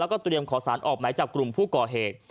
แล้วก็เตรียมขอสารออกหมายจับกลุ่มผู้ก่อเหตุ